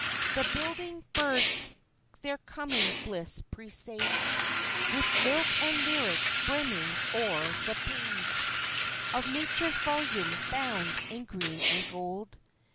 The building birds their coming bliss presage With lilt and lyric brimming o'er the page Of Nature's volume bound in green and gold.